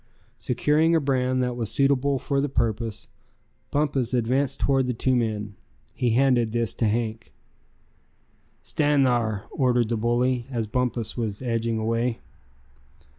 Securing a brand that was suitable for the purpose, Bumpus advanced toward the two men. He handed this to Hank. "Stand thar!" ordered the bully, as Bumpus was edging away.